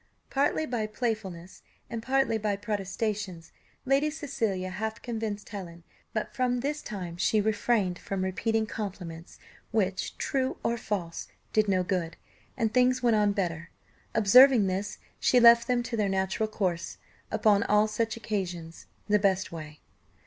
Partly by playfulness, and partly by protestations, Lady Cecilia half convinced Helen; but from this time she refrained from repeating compliments which, true or false, did no good, and things went on better; observing this, she left them to their natural course, upon all such occasions the best way.